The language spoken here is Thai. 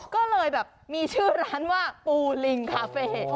ก็เลยแบบมีชื่อร้านว่าปูลิงคาเฟ่